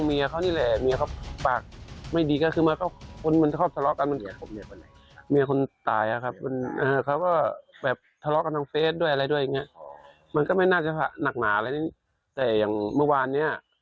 มันก็ไม่น่าจะหนักหนาอะไรแต่อย่างเมื่อวานเนี้ย